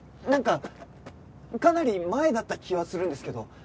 なんかかなり前だった気はするんですけど。